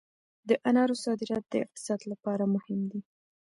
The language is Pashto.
د انارو صادرات د اقتصاد لپاره مهم دي